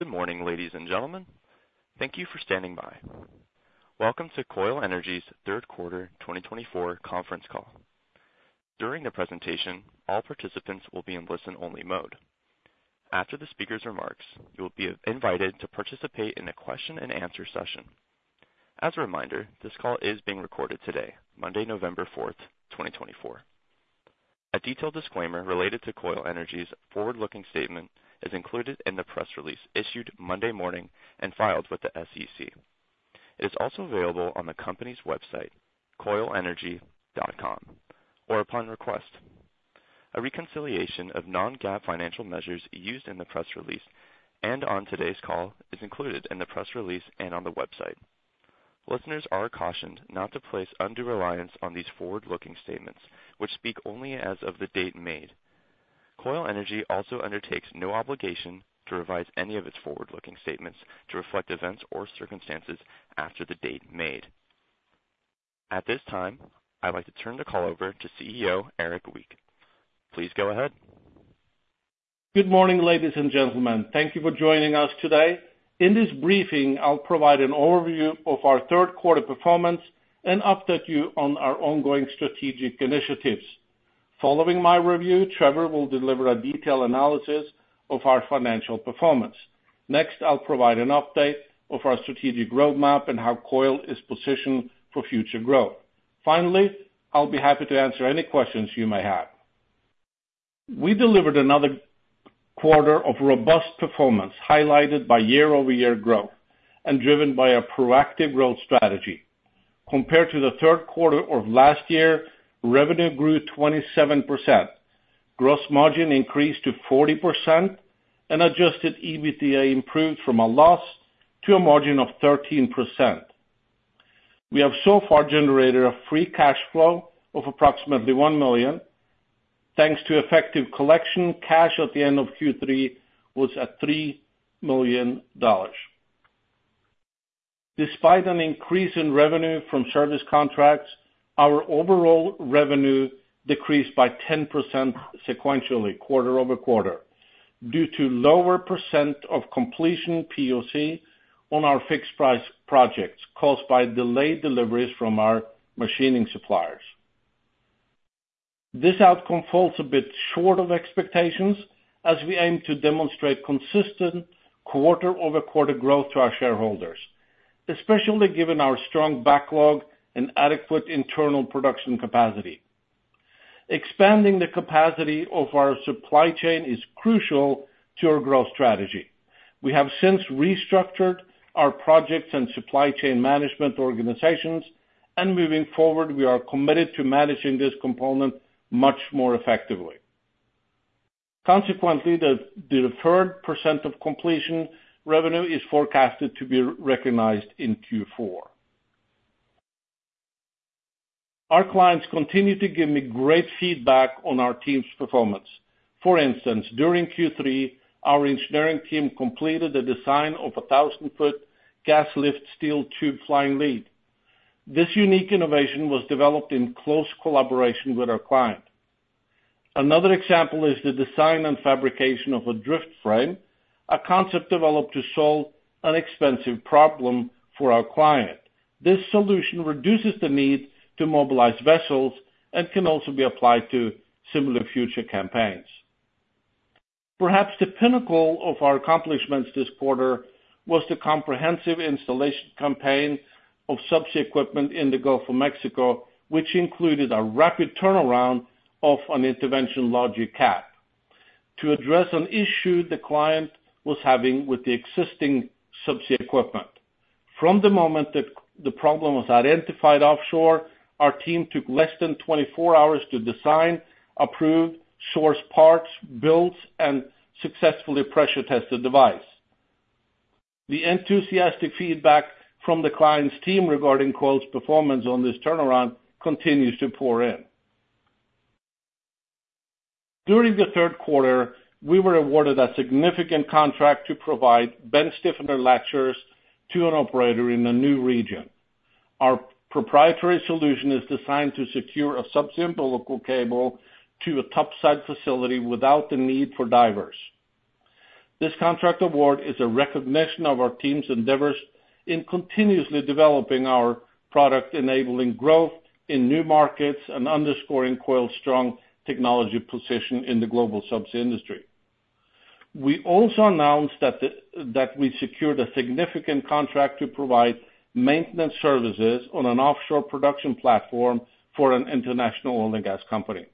Good morning, ladies and gentlemen. Thank you for standing by. Welcome to Koil Energy Solutions' third quarter 2024 conference call. During the presentation, all participants will be in listen-only mode. After the speaker's remarks, you will be invited to participate in a question and answer session. As a reminder, this call is being recorded today, Monday, November 4th, 2024. A detailed disclaimer related to Koil Energy Solutions' forward-looking statement is included in the press release issued Monday morning and filed with the SEC. It is also available on the company's website, koilenergy.com, or upon request. A reconciliation of non-GAAP financial measures used in the press release and on today's call is included in the press release and on the website. Listeners are cautioned not to place undue reliance on these forward-looking statements, which speak only as of the date made. Koil Energy Solutions also undertakes no obligation to revise any of its forward-looking statements to reflect events or circumstances after the date made. At this time, I'd like to turn the call over to the CEO, Erik Wiik. Please go ahead. Good morning, ladies and gentlemen. Thank you for joining us today. In this briefing, I'll provide an overview of our third quarter performance and update you on our ongoing strategic initiatives. Following my review, Trevor will deliver a detailed analysis of our financial performance. Next, I'll provide an update of our strategic roadmap and how Koil is positioned for future growth. Finally, I'll be happy to answer any questions you may have. We delivered another quarter of robust performance, highlighted by year-over-year growth and driven by a proactive growth strategy. Compared to the third quarter of last year, revenue grew 27%, gross margin increased to 40%, and adjusted EBITDA improved from a loss to a margin of 13%. We have so far generated a free cash flow of approximately $1 million. Thanks to effective collection, cash at the end of Q3 was at $3 million. Despite an increase in revenue from service contracts, our overall revenue decreased by 10% sequentially quarter-over-quarter due to lower percentage of completion POC on our fixed price projects caused by delayed deliveries from our machining suppliers. This outcome falls a bit short of expectations as we aim to demonstrate consistent quarter-over-quarter growth to our shareholders, especially given our strong backlog and adequate internal production capacity. Expanding the capacity of our supply chain is crucial to our growth strategy. We have since restructured our projects and supply chain management organizations, and moving forward, we are committed to managing this component much more effectively. Consequently, the deferred percentage of completion revenue is forecasted to be recognized in Q4. Our clients continue to give me great feedback on our team's performance. For instance, during Q3, our engineering team completed the design of 1,000-foot gas lift steel tube flying lead. This unique innovation was developed in close collaboration with our client. Another example is the design and fabrication of a drift frame, a concept developed to solve an expensive problem for our client. This solution reduces the need to mobilize vessels and can also be applied to similar future campaigns. Perhaps the pinnacle of our accomplishments this quarter was the comprehensive installation campaign of subsea equipment in the Gulf of Mexico, which included a rapid turnaround of an Intervention Logic Cap to address an issue the client was having with the existing subsea equipment. From the moment that the problem was identified offshore, our team took less than 24 hours to design, approve, source parts, build, and successfully pressure test the device. The enthusiastic feedback from the client's team regarding Koil's performance on this turnaround continues to pour in. During the third quarter, we were awarded a significant contract to provide bend stiffener latchers to an operator in a new region. Our proprietary solution is designed to secure a subsea umbilical cable to a topside facility without the need for divers. This contract award is a recognition of our team's endeavors in continuously developing our product, enabling growth in new markets and underscoring Koil's strong technology position in the global subsea industry. We also announced that we secured a significant contract to provide maintenance services on an offshore production platform for an international oil and gas company.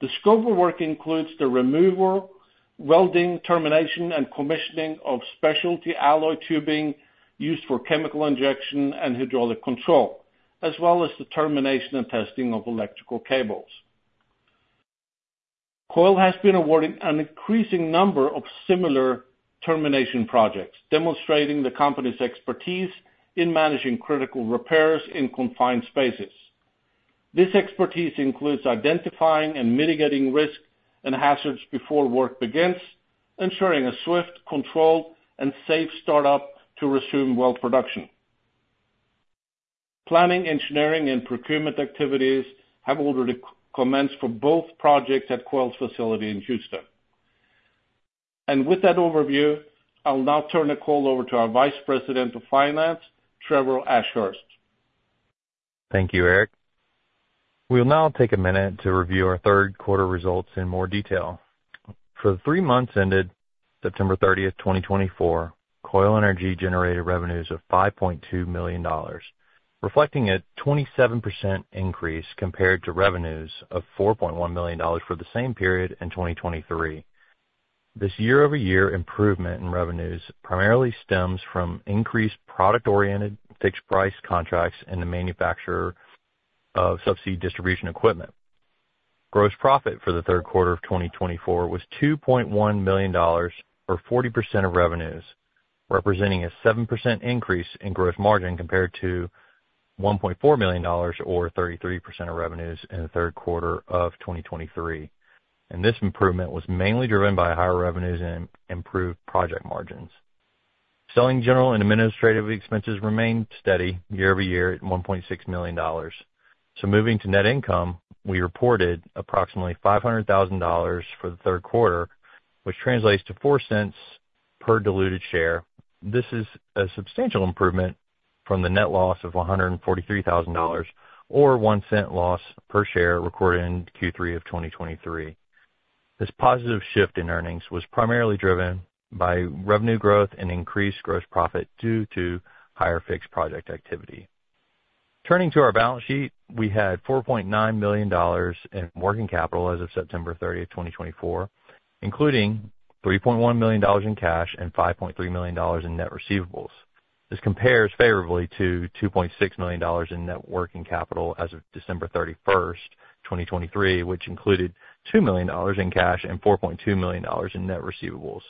The scope of work includes the removal, welding, termination, and commissioning of specialty alloy tubing used for chemical injection and hydraulic control, as well as the termination and testing of electrical cables. Koil has been awarded an increasing number of similar termination projects, demonstrating the company's expertise in managing critical repairs in confined spaces. This expertise includes identifying and mitigating risk and hazards before work begins, ensuring a swift, controlled, and safe start-up to resume well production. Planning, engineering, and procurement activities have already commenced for both projects at Koil's facility in Houston. With that overview, I'll now turn the call over to our Vice President of Finance, Trevor Ashurst. Thank you, Erik. We'll now take a minute to review our third quarter results in more detail. For the three months ended September 30th, 2024, Koil Energy Solutions generated revenues of $5.2 million, reflecting a 27% increase compared to revenues of $4.1 million for the same period in 2023. This year-over-year improvement in revenues primarily stems from increased product-oriented fixed price contracts in the manufacture of subsea distribution equipment. Gross profit for the third quarter of 2024 was $2.1 million, or 40% of revenues, representing a 7% increase in gross margin compared to $1.4 million, or 33% of revenues in the third quarter of 2023. This improvement was mainly driven by higher revenues and improved project margins. Selling, general, and administrative expenses remained steady year-over-year at $1.6 million. Moving to net income, we reported approximately $500,000 for the third quarter, which translates to $0.04 per diluted share. This is a substantial improvement from the net loss of $143,000, or $0.01 loss per share recorded in Q3 of 2023. This positive shift in earnings was primarily driven by revenue growth and increased gross profit due to higher fixed project activity. Turning to our balance sheet, we had $4.9 million in working capital as of September 30th, 2024, including $3.1 million in cash and $5.3 million in net receivables. This compares favorably to $2.6 million in net working capital as of December 31st, 2023, which included $2 million in cash and $4.2 million in net receivables.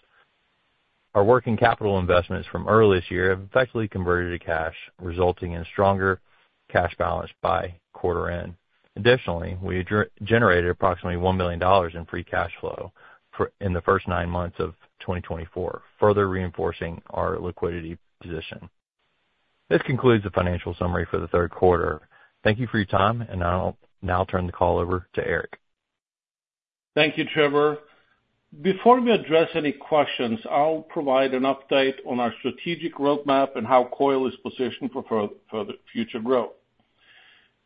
Our working capital investments from early this year have effectively converted to cash, resulting in stronger cash balance by quarter end. Additionally, we generated approximately $1 million in free cash flow in the first nine months of 2024, further reinforcing our liquidity position. This concludes the financial summary for the third quarter. Thank you for your time, and I'll now turn the call over to Erik. Thank you, Trevor. Before we address any questions, I'll provide an update on our strategic roadmap and how Koil is positioned for further future growth.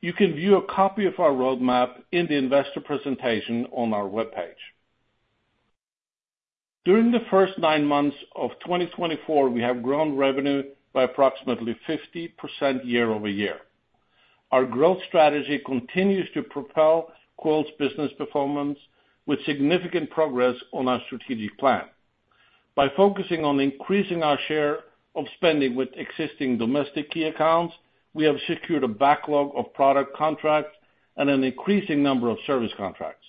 You can view a copy of our roadmap in the investor presentation on our webpage. During the first nine months of 2024, we have grown revenue by approximately 50% year-over-year. Our growth strategy continues to propel Koil's business performance with significant progress on our strategic plan. By focusing on increasing our share of spending with existing domestic key accounts, we have secured a backlog of product contracts and an increasing number of service contracts.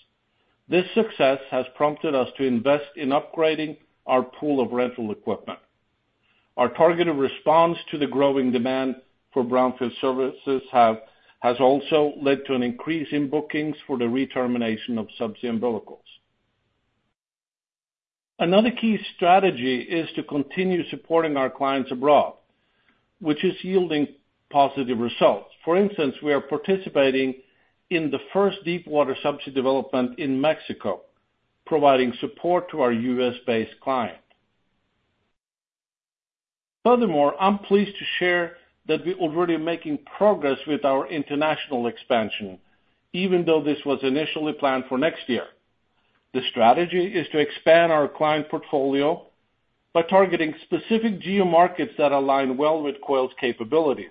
This success has prompted us to invest in upgrading our pool of rental equipment. Our targeted response to the growing demand for brownfield services has also led to an increase in bookings for the re-termination of subsea umbilicals. Another key strategy is to continue supporting our clients abroad, which is yielding positive results. For instance, we are participating in the first deepwater subsea development in Mexico, providing support to our U.S.-based client. Furthermore, I'm pleased to share that we're already making progress with our international expansion, even though this was initially planned for next year. The strategy is to expand our client portfolio by targeting specific geo markets that align well with Koil's capabilities.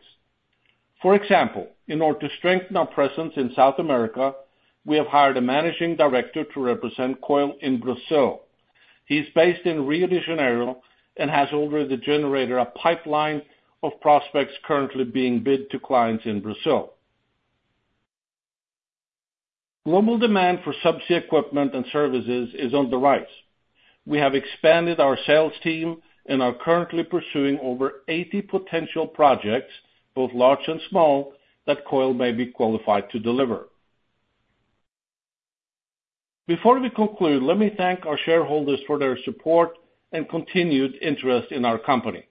For example, in order to strengthen our presence in South America, we have hired a managing director to represent Koil in Brazil. He's based in Rio de Janeiro and has already generated a pipeline of prospects currently being bid to clients in Brazil. Global demand for subsea equipment and services is on the rise. We have expanded our sales team and are currently pursuing over 80 potential projects, both large and small, that Koil may be qualified to deliver. Before we conclude, let me thank our shareholders for their support and continued interest in our company.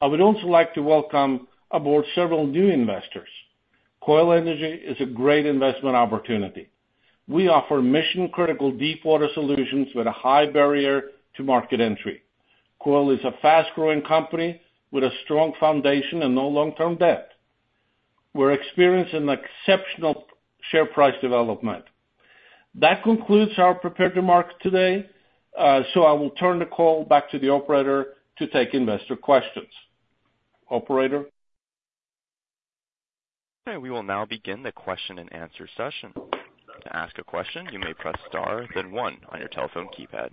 I would also like to welcome aboard several new investors. Koil Energy is a great investment opportunity. We offer mission-critical deepwater solutions with a high barrier to market entry. Koil is a fast-growing company with a strong foundation and no long-term debt. We're experiencing exceptional share price development. That concludes our prepared remarks today. I will turn the call back to the operator to take investor questions. Operator? We will now begin the question and answer session. To ask a question, you may press star, then one on your telephone keypad.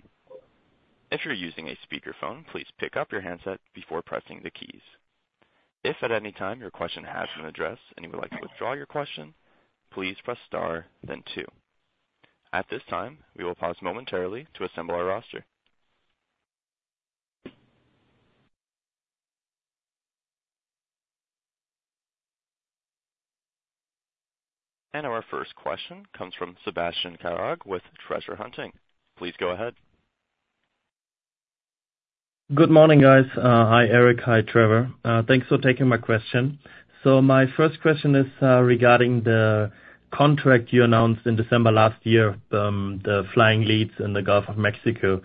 If you're using a speakerphone, please pick up your handset before pressing the keys. If at any time your question has been addressed and you would like to withdraw your question, please press star then two. At this time, we will pause momentarily to assemble our roster. Our first question comes from Sebastian Krog with Treasure Hunting. Please go ahead. Good morning, guys. Hi, Erik. Hi, Trevor. Thanks for taking my question. My first question is regarding the contract you announced in December last year, the flying leads in the Gulf of Mexico.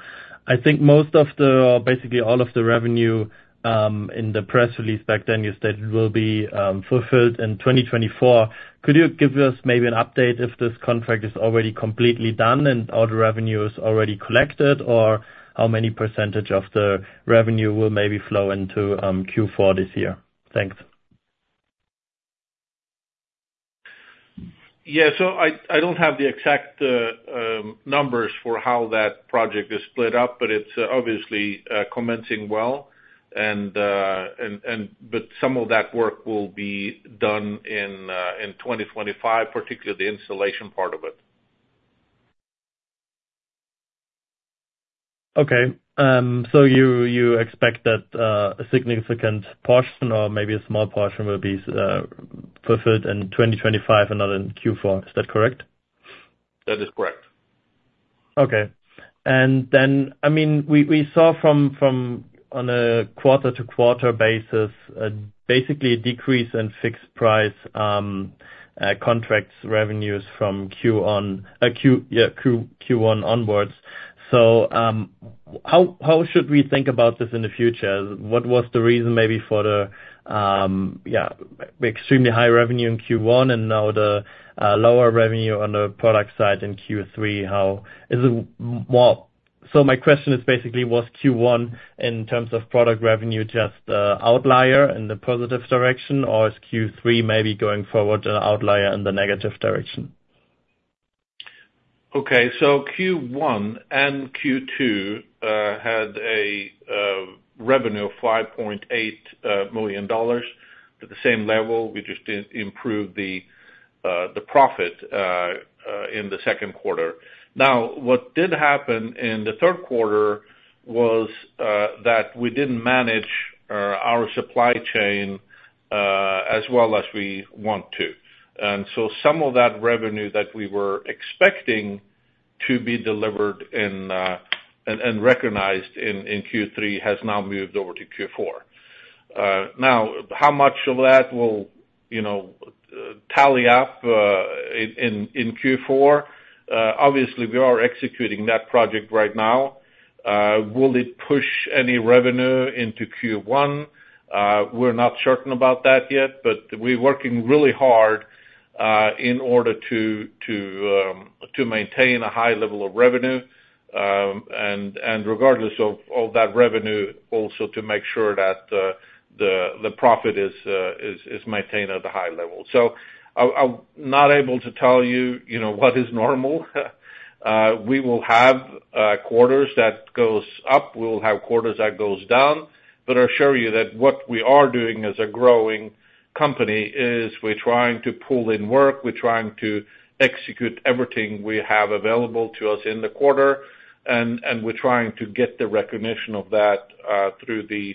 I think basically all of the revenue in the press release back then, you said it will be fulfilled in 2024. Could you give us maybe an update if this contract is already completely done and all the revenue is already collected? Or what percentage of the revenue will maybe flow into Q4 this year? Thanks. Yeah. I don't have the exact numbers for how that project is split up, but it's obviously commencing well. Some of that work will be done in 2025, particularly the installation part of it. Okay. You expect that a significant portion, or maybe a small portion, will be fulfilled in 2025 and not in Q4. Is that correct? That is correct. Okay. We saw, on a quarter-to-quarter basis, basically a decrease in fixed price contracts revenues from Q1 onwards. How should we think about this in the future? What was the reason maybe for the extremely high revenue in Q1, and now the lower revenue on the product side in Q3? My question is basically, was Q1, in terms of product revenue, just an outlier in the positive direction? Or is Q3 maybe going forward an outlier in the negative direction? Q1 and Q2 had a revenue of $5.8 million. At the same level, we just improved the profit in the second quarter. Now, what did happen in the third quarter was that we didn't manage our supply chain as well as we want to. Some of that revenue that we were expecting to be delivered and recognized in Q3 has now moved over to Q4. Now, how much of that will tally up in Q4? Obviously, we are executing that project right now. Will it push any revenue into Q1? We're not certain about that yet, but we're working really hard in order to maintain a high level of revenue. Regardless of that revenue, also to make sure that the profit is maintained at a high level. I'm not able to tell you what is normal. We will have quarters that goes up. We will have quarters that goes down. I assure you that what we are doing as a growing company is we're trying to pull in work. We're trying to execute everything we have available to us in the quarter, and we're trying to get the recognition of that through the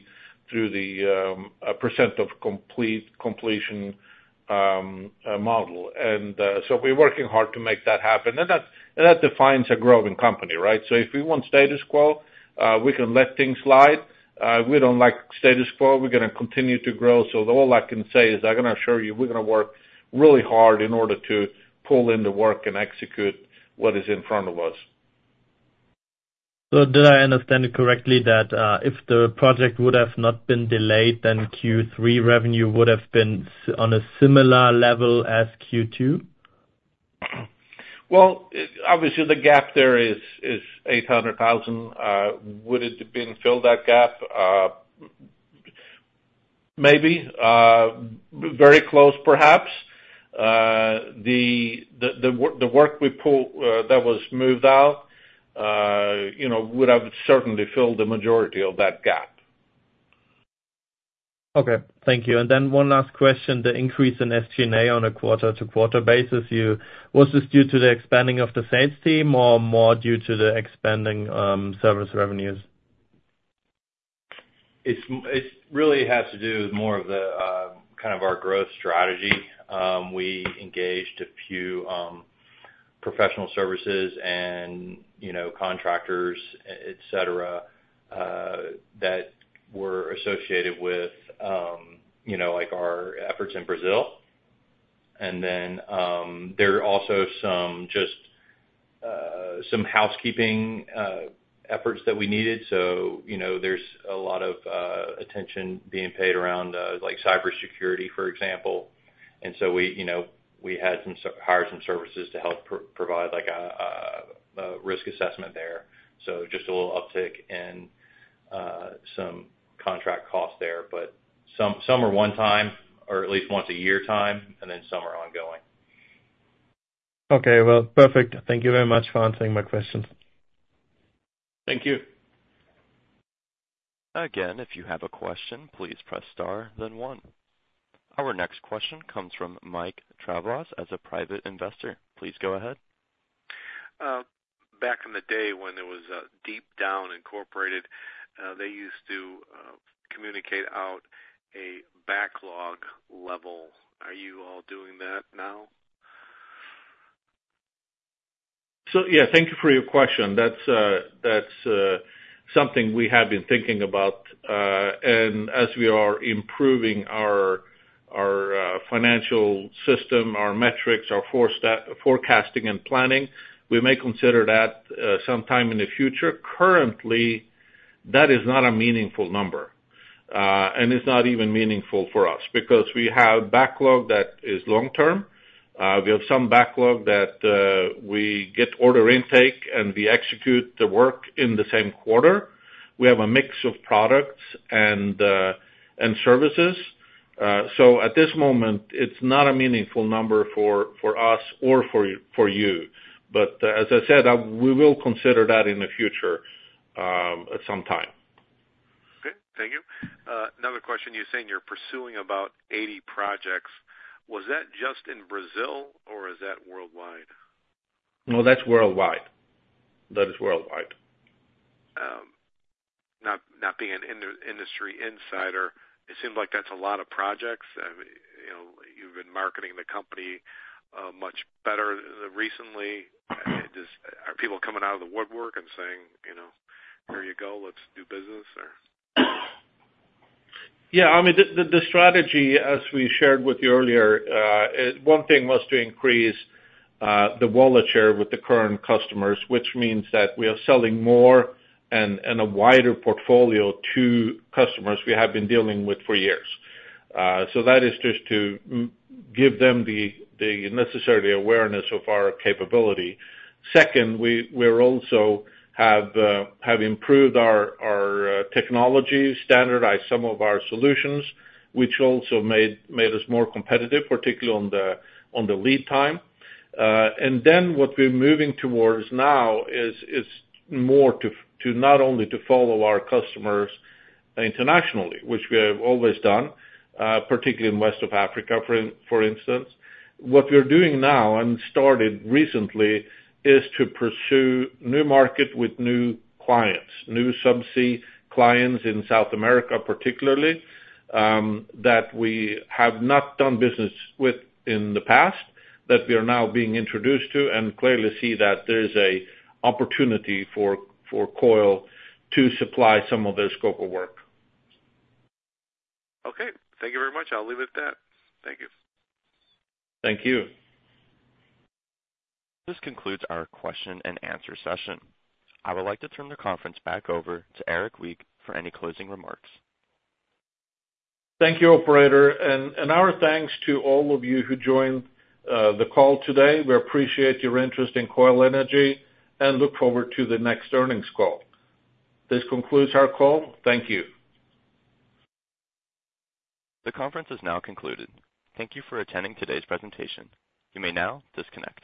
percentage of completion model. That defines a growing company, right? If we want status quo, we can let things slide. We don't like status quo. We're going to continue to grow. All I can say is I can assure you we're going to work really hard in order to pull in the work and execute what is in front of us. Did I understand it correctly that if the project would have not been delayed, then Q3 revenue would have been on a similar level as Q2? Well, obviously the gap there is $800,000. Would it have been filled, that gap? Maybe. Very close, perhaps. The work that was moved out would have certainly filled the majority of that gap. Okay. Thank you. One last question. The increase in SG&A on a quarter-to-quarter basis, was this due to the expanding of the sales team or more due to the expanding service revenues? It really has to do with more of the kind of our growth strategy. We engaged a few professional services and contractors, et cetera, et cetera, that were associated with our efforts in Brazil. Then there are also just some housekeeping efforts that we needed. There's a lot of attention being paid around cybersecurity, for example. We hired some services to help provide a risk assessment there. Just a little uptick in some contract costs there, but some are one time, or at least once a year time, and then some are ongoing. Okay. Well, perfect. Thank you very much for answering my questions. Thank you. Again, if you have a question, please press star then one. Our next question comes from Mike Travas as a Private Investor. Please go ahead. Back in the day when it was Deep Down, Inc., they used to communicate out a backlog level. Are you all doing that now? Yeah, thank you for your question. That's something we have been thinking about. As we are improving our financial system, our metrics, our forecasting and planning, we may consider that sometime in the future. Currently, that is not a meaningful number, and it's not even meaningful for us because we have backlog that is long-term. We have some backlog that we get order intake, and we execute the work in the same quarter. We have a mix of products and services. At this moment it's not a meaningful number for us or for you. As I said, we will consider that in the future at some time. Okay, thank you. Another question. You're saying you're pursuing about 80 projects. Was that just in Brazil or is that worldwide? No, that's worldwide. That is worldwide. Not being an industry insider, it seems like that's a lot of projects. You've been marketing the company much better recently. Are people coming out of the woodwork and saying, "Here you go, let's do business," or? Yeah, I mean, the strategy as we shared with you earlier, one thing was to increase the wallet share with the current customers, which means that we are selling more and a wider portfolio to customers we have been dealing with for years. That is just to give them the necessary awareness of our capability. Second, we also have improved our technology, standardized some of our solutions, which also made us more competitive, particularly on the lead time. What we're moving towards now is more to not only to follow our customers internationally, which we have always done, particularly in West Africa, for instance. What we're doing now and started recently is to pursue new market with new clients, new subsea clients in South America particularly, that we have not done business with in the past, that we are now being introduced to and clearly see that there is a opportunity for Koil to supply some of their scope of work. Okay, thank you very much. I'll leave it at that. Thank you. Thank you. This concludes our question and answer session. I would like to turn the conference back over to Erik Wiik for any closing remarks. Thank you, operator. Our thanks to all of you who joined the call today. We appreciate your interest in Koil Energy and look forward to the next earnings call. This concludes our call. Thank you. The conference is now concluded. Thank you for attending today's presentation. You may now disconnect.